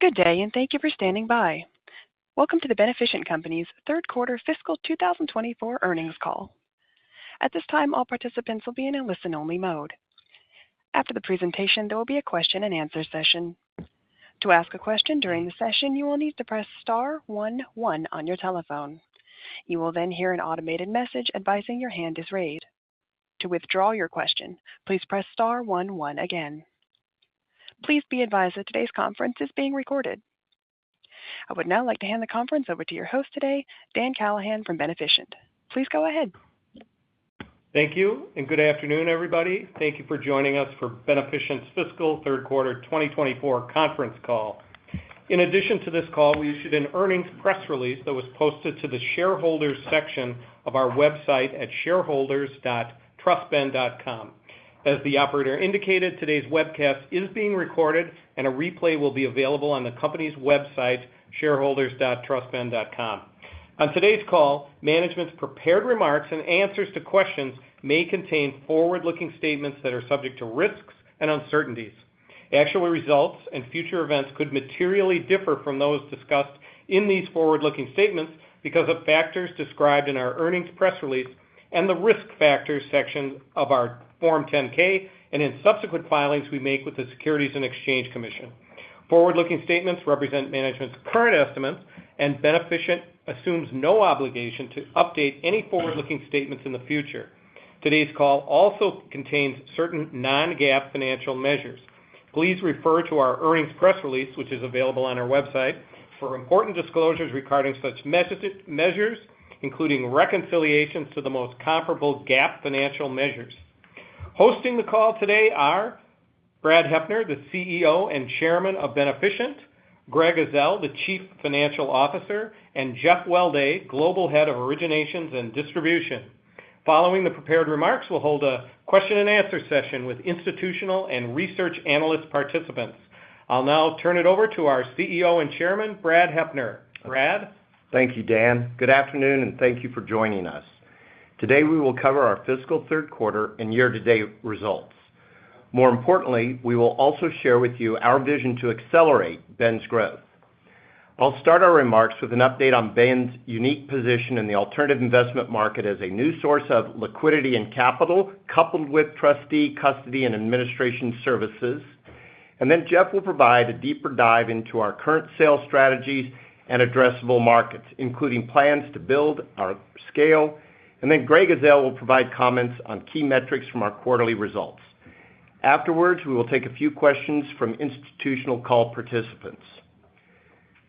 Good day, and thank you for standing by. Welcome to the Beneficient Company's third-quarter fiscal 2024 earnings call. At this time, all participants will be in a listen-only mode. After the presentation, there will be a question-and-answer session. To ask a question during the session, you will need to press star one one on your telephone. You will then hear an automated message advising your hand is raised. To withdraw your question, please press star one one again. Please be advised that today's conference is being recorded. I would now like to hand the conference over to your host today, Dan Callahan, from Beneficient. Please go ahead. Thank you, and good afternoon, everybody. Thank you for joining us for Beneficient's fiscal third-quarter 2024 conference call. In addition to this call, we issued an earnings press release that was posted to the shareholders section of our website at shareholders.trustben.com. As the operator indicated, today's webcast is being recorded, and a replay will be available on the company's website, shareholders.trustben.com. On today's call, management's prepared remarks and answers to questions may contain forward-looking statements that are subject to risks and uncertainties. Actual results and future events could materially differ from those discussed in these forward-looking statements because of factors described in our earnings press release and the risk factors section of our Form 10-K and in subsequent filings we make with the Securities and Exchange Commission. Forward-looking statements represent management's current estimates, and Beneficient assumes no obligation to update any forward-looking statements in the future. Today's call also contains certain non-GAAP financial measures. Please refer to our earnings press release, which is available on our website, for important disclosures regarding such measures, including reconciliations to the most comparable GAAP financial measures. Hosting the call today are Brad Heppner, the CEO and Chairman of Beneficient; Greg Ezell, the Chief Financial Officer; and Jeff Welday, Global Head of Originations and Distribution. Following the prepared remarks, we'll hold a question-and-answer session with institutional and research analyst participants. I'll now turn it over to our CEO and Chairman, Brad Heppner. Brad? Thank you, Dan. Good afternoon, and thank you for joining us. Today we will cover our fiscal third quarter and year-to-date results. More importantly, we will also share with you our vision to accelerate Ben's growth. I'll start our remarks with an update on Ben's unique position in the alternative investment market as a new source of liquidity and capital coupled with trustee custody and administration services. Then Jeff will provide a deeper dive into our current sales strategies and addressable markets, including plans to build or scale. Then Greg Ezell will provide comments on key metrics from our quarterly results. Afterwards, we will take a few questions from institutional call participants.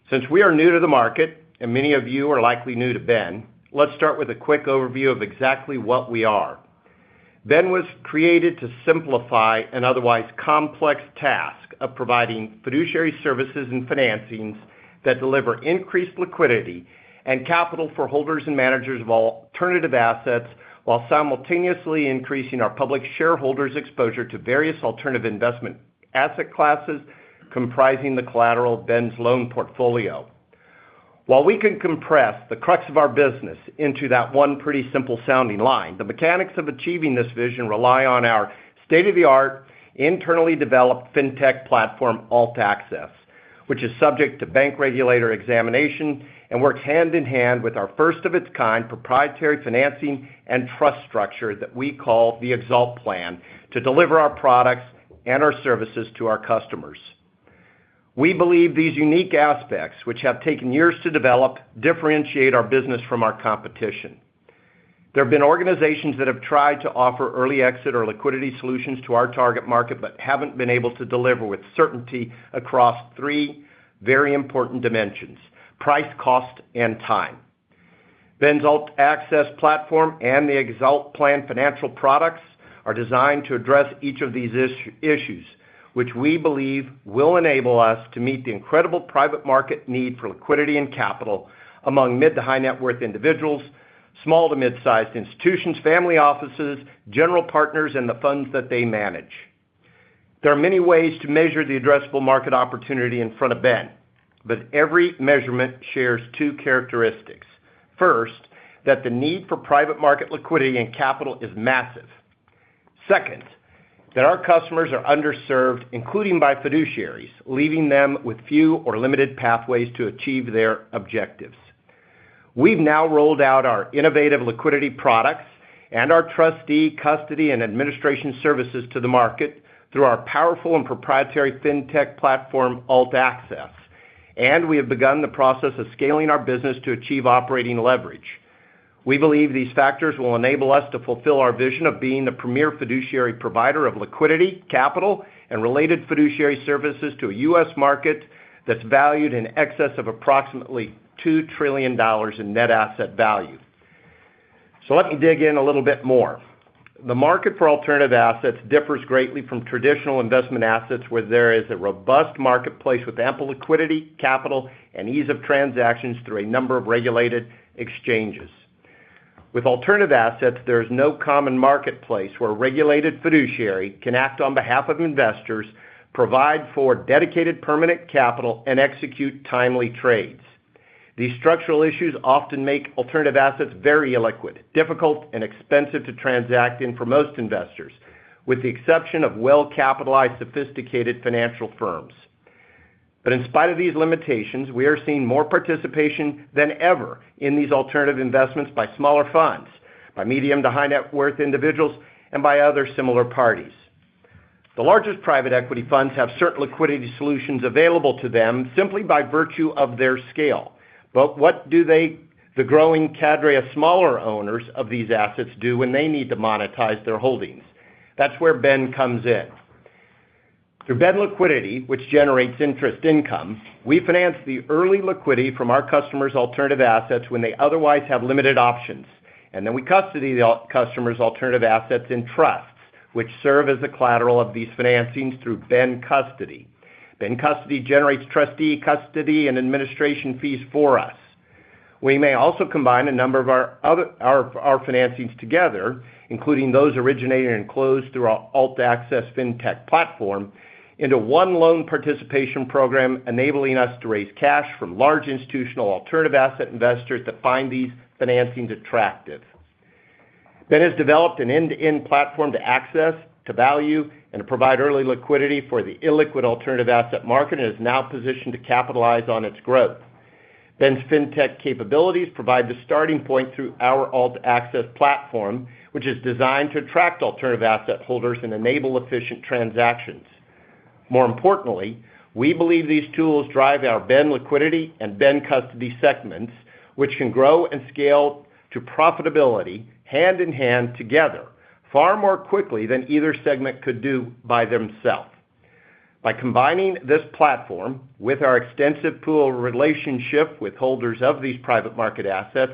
Since we are new to the market, and many of you are likely new to Ben, let's start with a quick overview of exactly what we are. Ben was created to simplify an otherwise complex task of providing fiduciary services and financings that deliver increased liquidity and capital for holders and managers of alternative assets while simultaneously increasing our public shareholders' exposure to various alternative investment asset classes comprising the collateral Ben's loan portfolio. While we can compress the crux of our business into that one pretty simple-sounding line, the mechanics of achieving this vision rely on our state-of-the-art, internally developed fintech platform, AltAccess, which is subject to bank regulator examination and works hand in hand with our first-of-its-kind proprietary financing and trust structure that we call the ExAlt Plan to deliver our products and our services to our customers. We believe these unique aspects, which have taken years to develop, differentiate our business from our competition. There have been organizations that have tried to offer early exit or liquidity solutions to our target market but haven't been able to deliver with certainty across three very important dimensions: price, cost, and time. Ben's AltAccess platform and the ExAlt Plan financial products are designed to address each of these issues, which we believe will enable us to meet the incredible private market need for liquidity and capital among mid- to high-net-worth individuals, small- to mid-sized institutions, family offices, general partners, and the funds that they manage. There are many ways to measure the addressable market opportunity in front of Ben, but every measurement shares two characteristics: first, that the need for private market liquidity and capital is massive. Second, that our customers are underserved, including by fiduciaries, leaving them with few or limited pathways to achieve their objectives. We've now rolled out our innovative liquidity products and our trustee custody and administration services to the market through our powerful and proprietary fintech platform, AltAccess, and we have begun the process of scaling our business to achieve operating leverage. We believe these factors will enable us to fulfill our vision of being the premier fiduciary provider of liquidity, capital, and related fiduciary services to a U.S. market that's valued in excess of approximately $2 trillion in net asset value. So let me dig in a little bit more. The market for alternative assets differs greatly from traditional investment assets where there is a robust marketplace with ample liquidity, capital, and ease of transactions through a number of regulated exchanges. With alternative assets, there is no common marketplace where a regulated fiduciary can act on behalf of investors, provide for dedicated permanent capital, and execute timely trades. These structural issues often make alternative assets very illiquid, difficult, and expensive to transact in for most investors, with the exception of well-capitalized, sophisticated financial firms. But in spite of these limitations, we are seeing more participation than ever in these alternative investments by smaller funds, by medium to high net worth individuals, and by other similar parties. The largest private equity funds have certain liquidity solutions available to them simply by virtue of their scale. But what do the growing cadre of smaller owners of these assets do when they need to monetize their holdings? That's where Ben comes in. Through Ben Liquidity, which generates interest income, we finance the early liquidity from our customers' alternative assets when they otherwise have limited options. And then we custody the customers' alternative assets in trusts, which serve as the collateral of these financings through Ben Custody. Ben Custody generates trustee custody and administration fees for us. We may also combine a number of our financings together, including those originated and closed through our AltAccess fintech platform, into one loan participation program enabling us to raise cash from large institutional alternative asset investors that find these financings attractive. Ben has developed an end-to-end platform to access, to value, and to provide early liquidity for the illiquid alternative asset market and is now positioned to capitalize on its growth. Ben's fintech capabilities provide the starting point through our AltAccess platform, which is designed to attract alternative asset holders and enable efficient transactions. More importantly, we believe these tools drive our Ben Liquidity and Ben Custody segments, which can grow and scale to profitability hand in hand together, far more quickly than either segment could do by themselves. By combining this platform with our extensive pool relationship with holders of these private market assets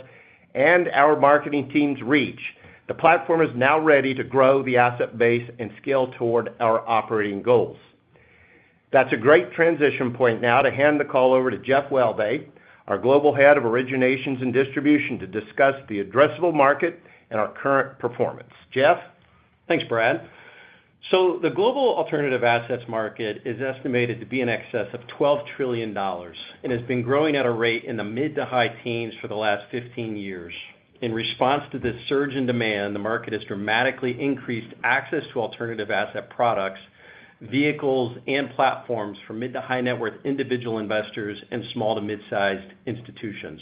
and our marketing team's reach, the platform is now ready to grow the asset base and scale toward our operating goals. That's a great transition point now to hand the call over to Jeff Welday, our Global Head of Originations and Distribution, to discuss the addressable market and our current performance. Jeff? Thanks, Brad. So the global alternative assets market is estimated to be in excess of $12 trillion and has been growing at a rate in the mid- to high teens for the last 15 years. In response to this surge in demand, the market has dramatically increased access to alternative asset products, vehicles, and platforms for mid- to high-net-worth individual investors and small- to mid-sized institutions.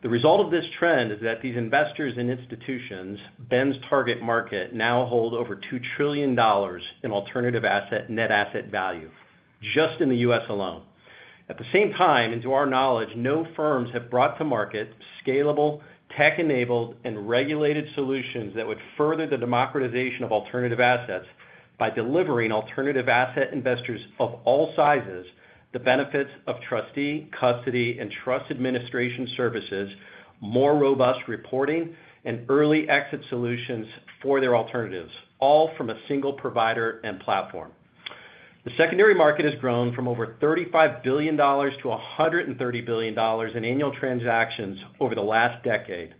The result of this trend is that these investors and institutions, Ben's target market, now hold over $2 trillion in alternative asset net asset value, just in the U.S. alone. At the same time, to our knowledge, no firms have brought to market scalable, tech-enabled, and regulated solutions that would further the democratization of alternative assets by delivering alternative asset investors of all sizes the benefits of trustee custody and trust administration services, more robust reporting, and early exit solutions for their alternatives, all from a single provider and platform. The secondary market has grown from over $35 billion-$130 billion in annual transactions over the last decade,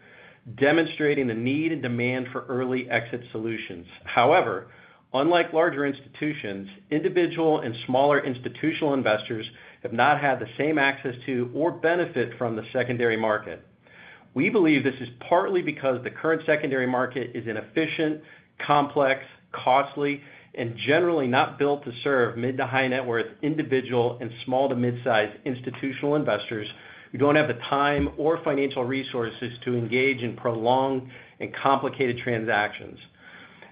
demonstrating the need and demand for early exit solutions. However, unlike larger institutions, individual and smaller institutional investors have not had the same access to or benefit from the secondary market. We believe this is partly because the current secondary market is inefficient, complex, costly, and generally not built to serve mid to high net worth individual and small to mid-sized institutional investors who don't have the time or financial resources to engage in prolonged and complicated transactions.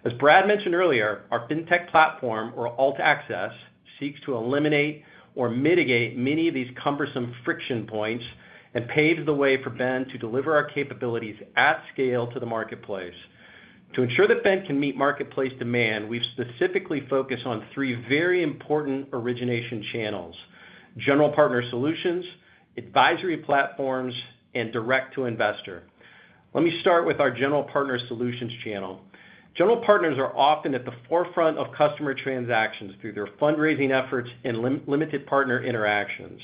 As Brad mentioned earlier, our fintech platform, or AltAccess, seeks to eliminate or mitigate many of these cumbersome friction points and paves the way for Ben to deliver our capabilities at scale to the marketplace. To ensure that Ben can meet marketplace demand, we've specifically focused on three very important origination channels: General Partner Solutions, advisory platforms, and direct-to-investor. Let me start with our General Partner Solutions channel. General partners are often at the forefront of customer transactions through their fundraising efforts and limited partner interactions.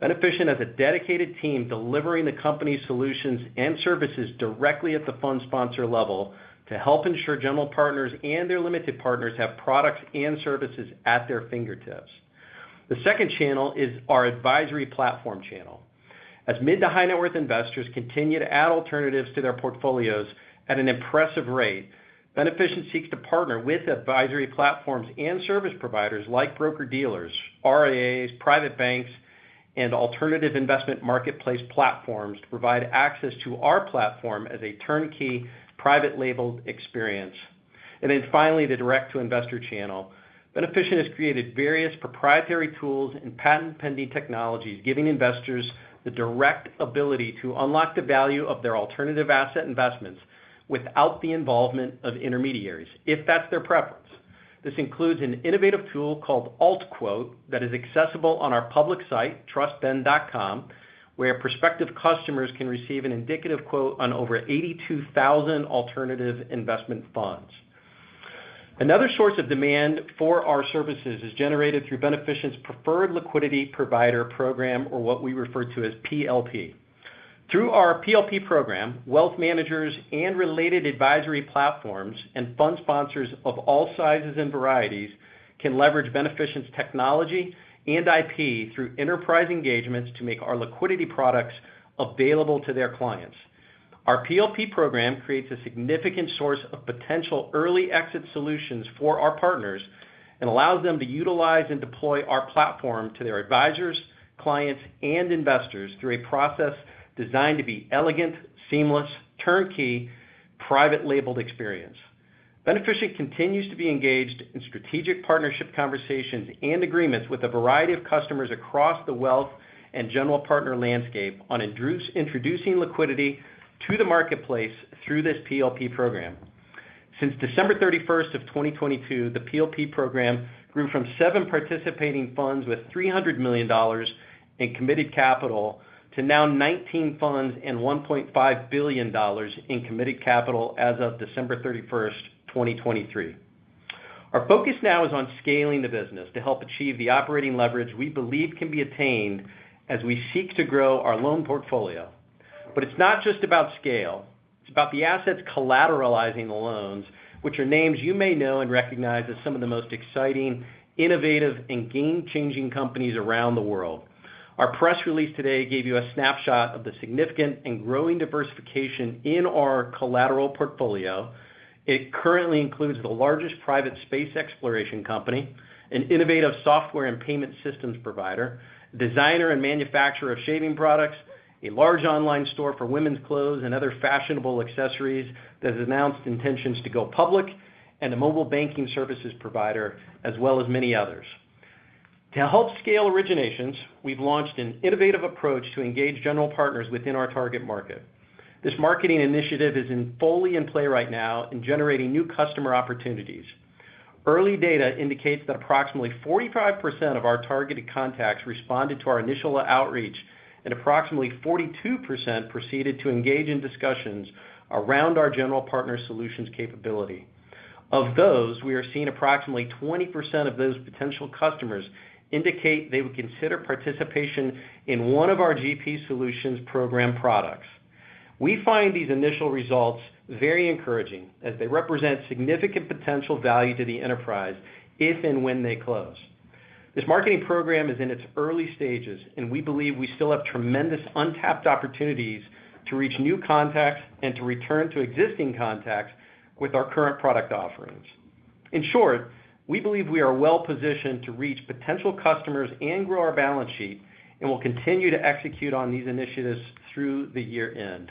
Beneficient has a dedicated team delivering the company's solutions and services directly at the fund sponsor level to help ensure general partners and their limited partners have products and services at their fingertips. The second channel is our advisory platform channel. As mid to high net worth investors continue to add alternatives to their portfolios at an impressive rate, Beneficient seeks to partner with advisory platforms and service providers like broker-dealers, RIAs, private banks, and alternative investment marketplace platforms to provide access to our platform as a turnkey private-labeled experience. And then finally, the direct-to-investor channel. Beneficient has created various proprietary tools and patent-pending technologies, giving investors the direct ability to unlock the value of their alternative asset investments without the involvement of intermediaries, if that's their preference. This includes an innovative tool called AltQuote that is accessible on our public site, trustben.com, where prospective customers can receive an indicative quote on over 82,000 alternative investment funds. Another source of demand for our services is generated through Beneficient's Preferred Liquidity Provider Program, or what we refer to as PLP. Through our PLP program, wealth managers and related advisory platforms and fund sponsors of all sizes and varieties can leverage Beneficient's technology and IP through enterprise engagements to make our liquidity products available to their clients. Our PLP program creates a significant source of potential early exit solutions for our partners and allows them to utilize and deploy our platform to their advisors, clients, and investors through a process designed to be elegant, seamless, turnkey, private-labeled experience. Beneficient continues to be engaged in strategic partnership conversations and agreements with a variety of customers across the wealth and general partner landscape on introducing liquidity to the marketplace through this PLP program. Since December 31st of 2022, the PLP program grew from seven participating funds with $300 million in committed capital to now 19 funds and $1.5 billion in committed capital as of December 31st, 2023. Our focus now is on scaling the business to help achieve the operating leverage we believe can be attained as we seek to grow our loan portfolio. But it's not just about scale. It's about the assets collateralizing the loans, which are names you may know and recognize as some of the most exciting, innovative, and game-changing companies around the world. Our press release today gave you a snapshot of the significant and growing diversification in our collateral portfolio. It currently includes the largest private space exploration company, an innovative software and payment systems provider, designer and manufacturer of shaving products, a large online store for women's clothes and other fashionable accessories that has announced intentions to go public, and a mobile banking services provider, as well as many others. To help scale originations, we've launched an innovative approach to engage general partners within our target market. This marketing initiative is fully in play right now and generating new customer opportunities. Early data indicates that approximately 45% of our targeted contacts responded to our initial outreach, and approximately 42% proceeded to engage in discussions around our General Partner Solutions capability. Of those, we are seeing approximately 20% of those potential customers indicate they would consider participation in one of our GP Solutions program products. We find these initial results very encouraging as they represent significant potential value to the enterprise if and when they close. This marketing program is in its early stages, and we believe we still have tremendous untapped opportunities to reach new contacts and to return to existing contacts with our current product offerings. In short, we believe we are well positioned to reach potential customers and grow our balance sheet, and we'll continue to execute on these initiatives through the year-end.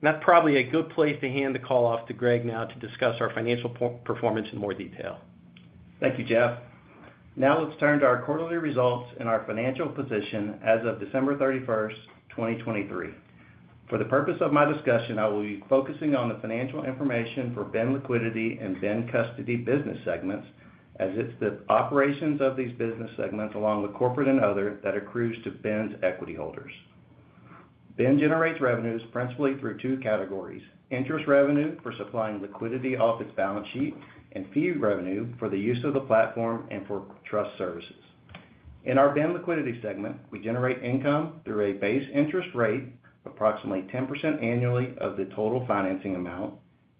That's probably a good place to hand the call off to Greg now to discuss our financial performance in more detail. Thank you, Jeff. Now let's turn to our quarterly results and our financial position as of December 31st, 2023. For the purpose of my discussion, I will be focusing on the financial information for Ben Liquidity and Ben Custody business segments as it's the operations of these business segments along with corporate and other that accrues to Ben's equity holders. Ben generates revenues principally through two categories: interest revenue for supplying liquidity off its balance sheet, and fee revenue for the use of the platform and for trust services. In our Ben Liquidity segment, we generate income through a base interest rate of approximately 10% annually of the total financing amount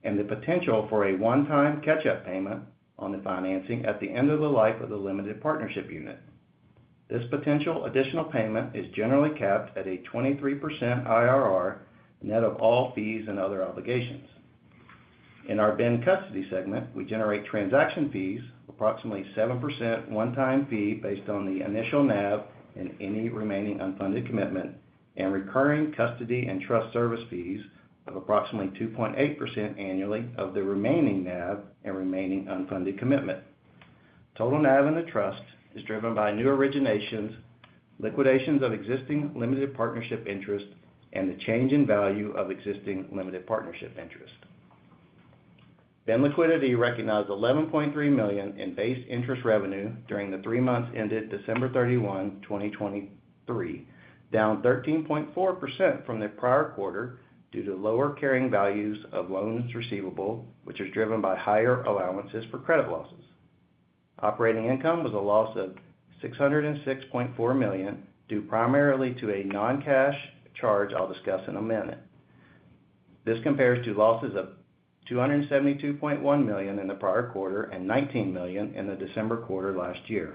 and the potential for a one-time catch-up payment on the financing at the end of the life of the limited partnership unit. This potential additional payment is generally capped at a 23% IRR net of all fees and other obligations. In our Ben Custody segment, we generate transaction fees, approximately 7% one-time fee based on the initial NAV and any remaining unfunded commitment, and recurring custody and trust service fees of approximately 2.8% annually of the remaining NAV and remaining unfunded commitment. Total NAV in the trust is driven by new originations, liquidations of existing limited partnership interest, and the change in value of existing limited partnership interest. Ben Liquidity recognized $11.3 million in base interest revenue during the three months ended December 31st, 2023, down 13.4% from their prior quarter due to lower carrying values of loans receivable, which is driven by higher allowances for credit losses. Operating income was a loss of $606.4 million due primarily to a non-cash charge I'll discuss in a minute. This compares to losses of $272.1 million in the prior quarter and $19 million in the December quarter last year.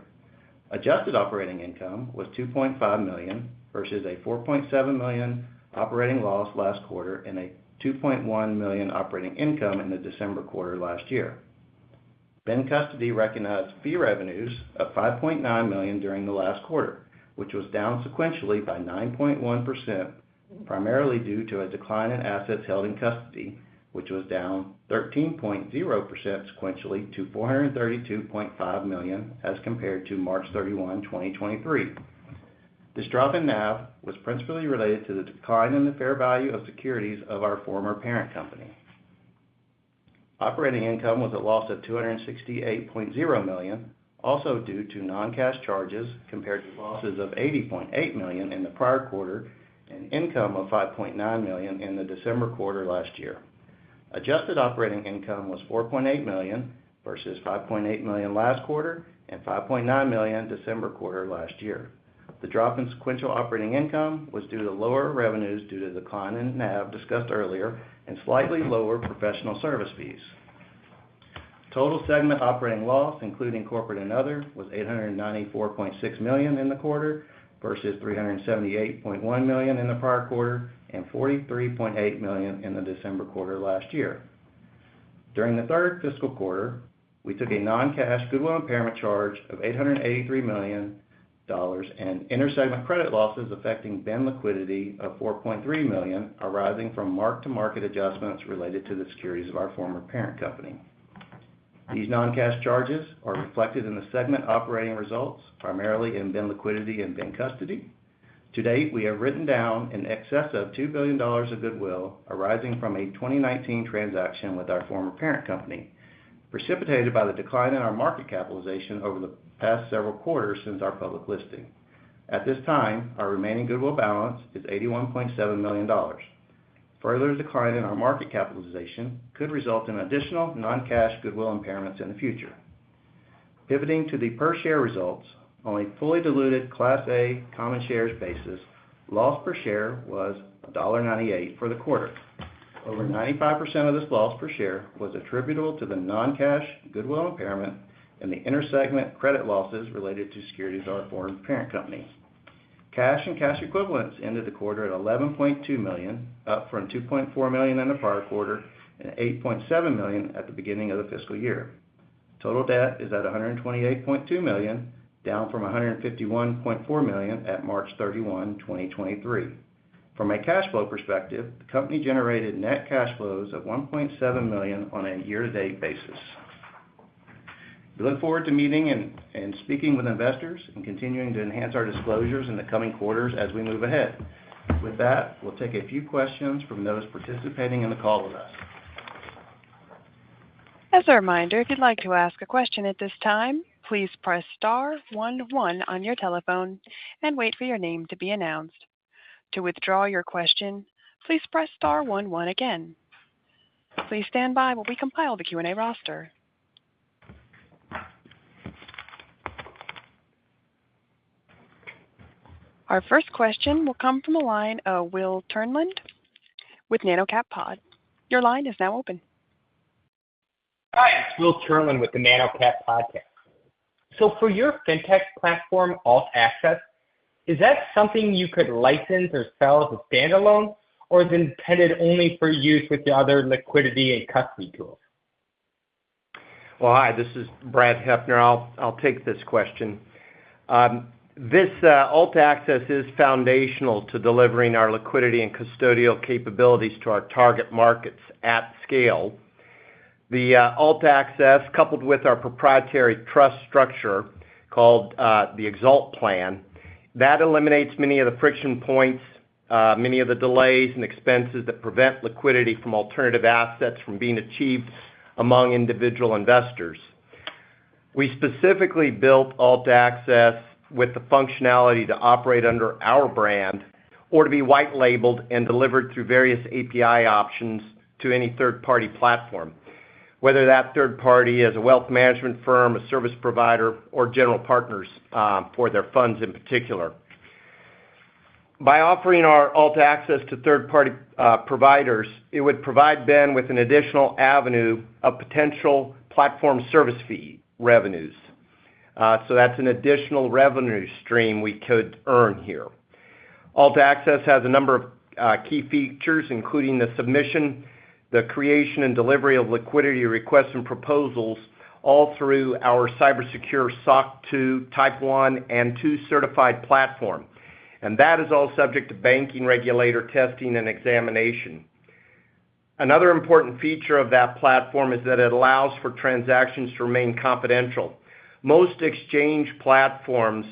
Adjusted operating income was $2.5 million versus a $4.7 million operating loss last quarter and a $2.1 million operating income in the December quarter last year. Ben Custody recognized fee revenues of $5.9 million during the last quarter, which was down sequentially by 9.1% primarily due to a decline in assets held in custody, which was down 13.0% sequentially to $432.5 million as compared to March 31st, 2023. This drop in NAV was principally related to the decline in the fair value of securities of our former parent company. Operating income was a loss of $268.0 million, also due to non-cash charges compared to losses of $80.8 million in the prior quarter and income of $5.9 million in the December quarter last year. Adjusted operating income was $4.8 million versus $5.8 million last quarter and $5.9 million December quarter last year. The drop in sequential operating income was due to lower revenues due to the decline in NAV discussed earlier and slightly lower professional service fees. Total segment operating loss, including corporate and other, was $894.6 million in the quarter versus $378.1 million in the prior quarter and $43.8 million in the December quarter last year. During the third fiscal quarter, we took a non-cash goodwill impairment charge of $883 million and intersegment credit losses affecting Ben Liquidity of $4.3 million arising from mark-to-market adjustments related to the securities of our former parent company. These non-cash charges are reflected in the segment operating results, primarily in Ben Liquidity and Ben Custody. To date, we have written down an excess of $2 billion of goodwill arising from a 2019 transaction with our former parent company, precipitated by the decline in our market capitalization over the past several quarters since our public listing. At this time, our remaining goodwill balance is $81.7 million. Further decline in our market capitalization could result in additional non-cash goodwill impairments in the future. Pivoting to the per-share results, on a fully diluted Class A common shares basis, loss per share was $1.98 for the quarter. Over 95% of this loss per share was attributable to the non-cash goodwill impairment and the intersegment credit losses related to securities of our former parent company. Cash and cash equivalents ended the quarter at $11.2 million, up from $2.4 million in the prior quarter and $8.7 million at the beginning of the fiscal year. Total debt is at $128.2 million, down from $151.4 million at March 31st, 2023. From a cash flow perspective, the company generated net cash flows of $1.7 million on a year-to-date basis. We look forward to meeting and speaking with investors and continuing to enhance our disclosures in the coming quarters as we move ahead. With that, we'll take a few questions from those participating in the call with us. As a reminder, if you'd like to ask a question at this time, please press star one one on your telephone and wait for your name to be announced. To withdraw your question, please press star one one again. Please stand by while we compile the Q&A roster. Our first question will come from a line of Will Tjernlund with Nano Cap Podcast. Your line is now open. Hi, it's Will Tjernlund with the Nano Cap Podcast. So for your fintech platform, AltAccess, is that something you could license or sell as a standalone, or is it intended only for use with your other liquidity and custody tools? Well, hi. This is Brad Heppner. I'll take this question. This AltAccess is foundational to delivering our liquidity and custodial capabilities to our target markets at scale. The AltAccess, coupled with our proprietary trust structure called the ExAlt Plan, eliminates many of the friction points, many of the delays and expenses that prevent liquidity from alternative assets from being achieved among individual investors. We specifically built AltAccess with the functionality to operate under our brand or to be white-labeled and delivered through various API options to any third-party platform, whether that third party is a wealth management firm, a service provider, or general partners for their funds in particular. By offering our AltAccess to third-party providers, it would provide Ben with an additional avenue of potential platform service fee revenues. So that's an additional revenue stream we could earn here. AltAccess has a number of key features, including the submission, the creation, and delivery of liquidity requests and proposals, all through our cybersecure SOC 2, Type 1, and 2 certified platform. That is all subject to banking regulator testing and examination. Another important feature of that platform is that it allows for transactions to remain confidential. Most exchange platforms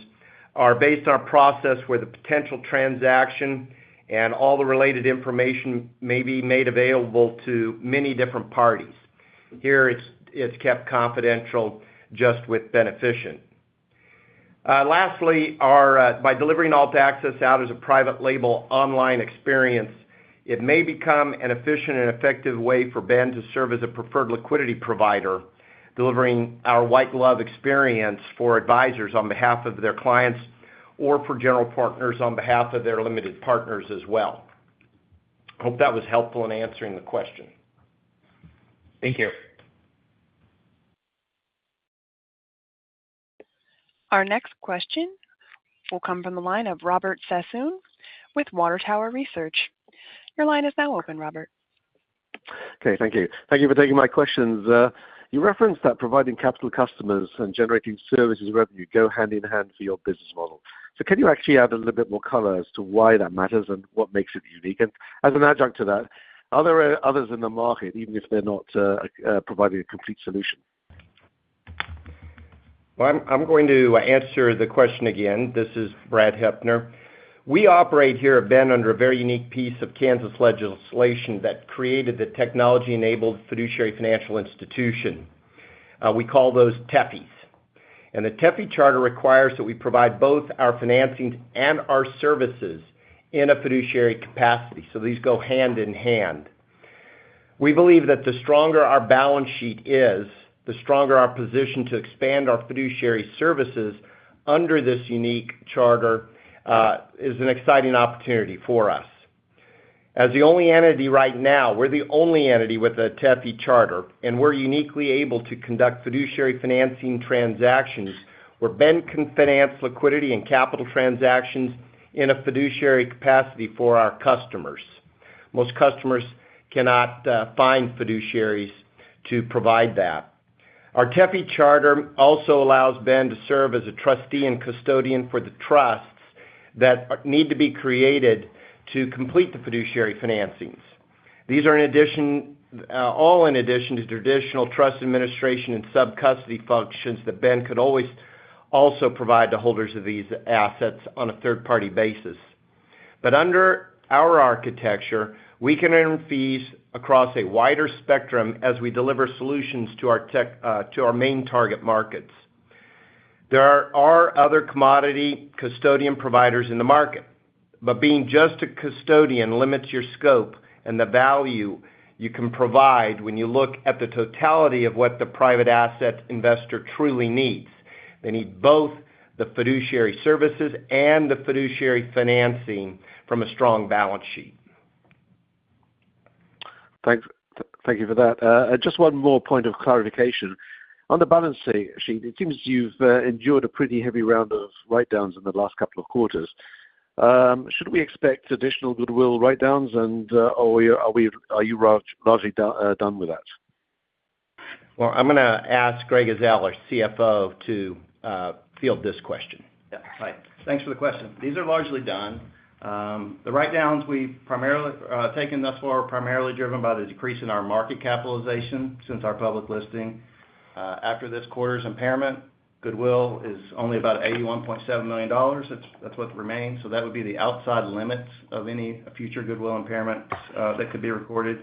are based on a process where the potential transaction and all the related information may be made available to many different parties. Here, it's kept confidential just with Beneficient. Lastly, by delivering AltAccess out as a private-label online experience, it may become an efficient and effective way for Ben to serve as a preferred liquidity provider, delivering our white-glove experience for advisors on behalf of their clients or for general partners on behalf of their limited partners as well. Hope that was helpful in answering the question. Thank you. Our next question will come from the line of Robert Sassoon with Water Tower Research. Your line is now open, Robert. Okay. Thank you. Thank you for taking my questions. You referenced that providing capital customers and generating services revenue go hand in hand for your business model. So can you actually add a little bit more color as to why that matters and what makes it unique? And as an adjunct to that, are there others in the market, even if they're not providing a complete solution? Well, I'm going to answer the question again. This is Brad Heppner. We operate here at Ben under a very unique piece of Kansas legislation that created the technology-enabled fiduciary financial institution. We call those TEFFIs. The TEFFI charter requires that we provide both our financing and our services in a fiduciary capacity. So these go hand in hand. We believe that the stronger our balance sheet is, the stronger our position to expand our fiduciary services under this unique charter is an exciting opportunity for us. As the only entity right now, we're the only entity with a TEFFI charter, and we're uniquely able to conduct fiduciary financing transactions where Ben can finance liquidity and capital transactions in a fiduciary capacity for our customers. Most customers cannot find fiduciaries to provide that. Our TEFFI charter also allows Ben to serve as a trustee and custodian for the trusts that need to be created to complete the fiduciary financings. These are all in addition to traditional trust administration and sub-custody functions that Ben could always also provide to holders of these assets on a third-party basis. But under our architecture, we can earn fees across a wider spectrum as we deliver solutions to our main target markets. There are other commodity custodian providers in the market, but being just a custodian limits your scope and the value you can provide when you look at the totality of what the private asset investor truly needs. They need both the fiduciary services and the fiduciary financing from a strong balance sheet. Thank you for that. Just one more point of clarification. On the balance sheet, it seems you've endured a pretty heavy round of write-downs in the last couple of quarters. Should we expect additional goodwill write-downs, or are you largely done with that? Well, I'm going to ask Greg Ezell, our CFO, to field this question. Yeah. Hi. Thanks for the question. These are largely done. The write-downs we've taken thus far are primarily driven by the decrease in our market capitalization since our public listing. After this quarter's impairment, goodwill is only about $81.7 million. That's what remains. So that would be the outside limits of any future goodwill impairments that could be recorded.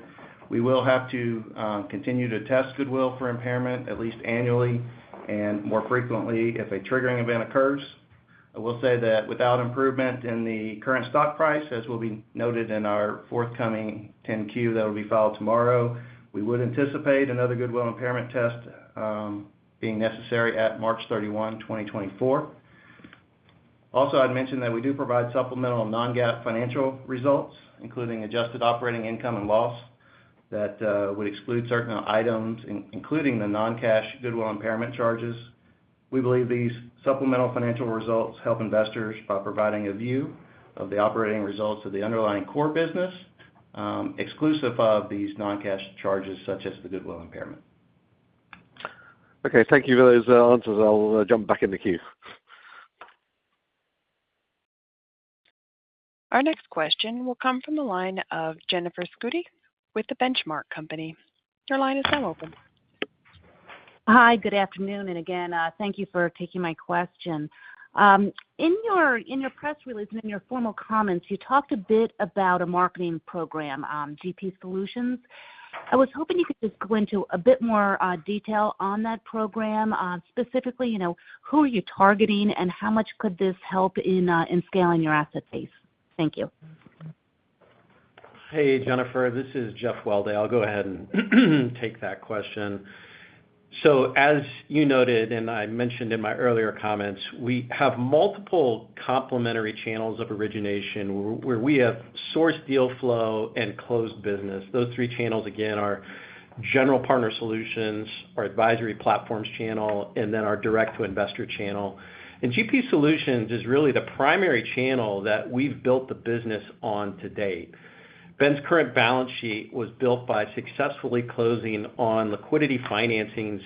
We will have to continue to test goodwill for impairment, at least annually and more frequently if a triggering event occurs. I will say that without improvement in the current stock price, as will be noted in our forthcoming 10-Q that will be filed tomorrow, we would anticipate another goodwill impairment test being necessary at March 31st, 2024. Also, I'd mention that we do provide supplemental non-GAAP financial results, including adjusted operating income and loss, that would exclude certain items, including the non-cash goodwill impairment charges. We believe these supplemental financial results help investors by providing a view of the operating results of the underlying core business exclusive of these non-cash charges such as the goodwill impairment. Okay. Thank you for those answers, I'll jump back in the queue. Our next question will come from the line of Jennifer Scutti with The Benchmark Company. Your line is now open. Hi. Good afternoon. And again, thank you for taking my question. In your press release and in your formal comments, you talked a bit about a marketing program, GP Solutions. I was hoping you could just go into a bit more detail on that program, specifically who are you targeting and how much could this help in scaling your asset base? Thank you. Hey, Jennifer. This is Jeff Welday. I'll go ahead and take that question. So as you noted, and I mentioned in my earlier comments, we have multiple complementary channels of origination where we have source deal flow and closed business. Those three channels, again, are General Partner Solutions, our advisory platforms channel, and then our direct-to-investor channel. GP Solutions is really the primary channel that we've built the business on to date. Ben's current balance sheet was built by successfully closing on liquidity financings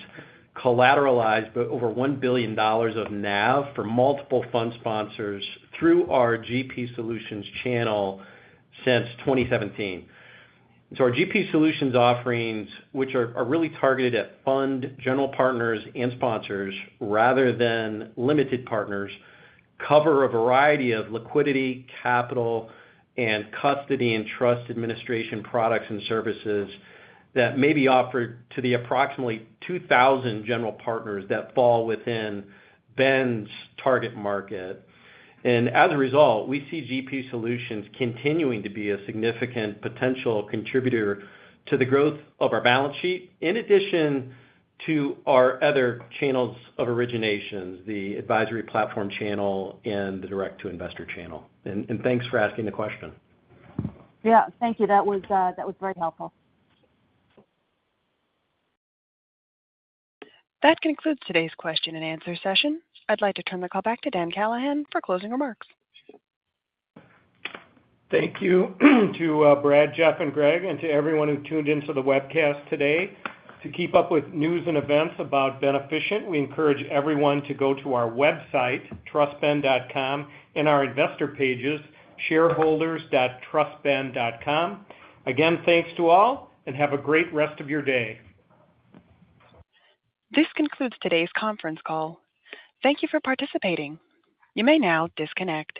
collateralized over $1 billion of NAV for multiple fund sponsors through our GP Solutions channel since 2017. So our GP Solutions offerings, which are really targeted at fund general partners and sponsors rather than limited partners, cover a variety of liquidity, capital, and custody and trust administration products and services that may be offered to the approximately 2,000 general partners that fall within Ben's target market. As a result, we see GP Solutions continuing to be a significant potential contributor to the growth of our balance sheet in addition to our other channels of originations, the advisory platform channel and the direct-to-investor channel. Thanks for asking the question. Yeah. Thank you. That was very helpful. That concludes today's question-and-answer session. I'd like to turn the call back to Dan Callahan for closing remarks. Thank you to Brad, Jeff, and Greg, and to everyone who tuned into the webcast today. To keep up with news and events about Beneficient, we encourage everyone to go to our website, trustben.com, and our investor pages, shareholders.trustben.com. Again, thanks to all, and have a great rest of your day. This concludes today's conference call. Thank you for participating. You may now disconnect.